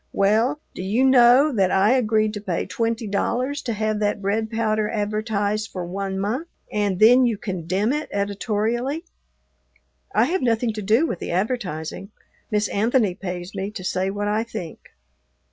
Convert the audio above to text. "Well, do you know that I agreed to pay twenty dollars to have that bread powder advertised for one month, and then you condemn it editorially?" "I have nothing to do with the advertising; Miss Anthony pays me to say what I think."